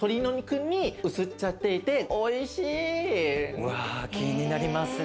お！わ気になりますね